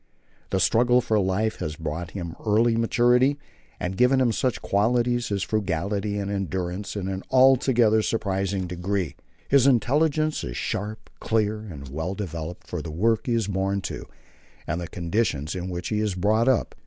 The struggle for life has brought him to early maturity, and given him such qualities as frugality and endurance in an altogether surprising degree. His intelligence is sharp, clear, and well developed for the work he is born to, and the conditions in which he is brought up.